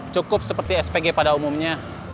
cukup seperti spg pada umumnya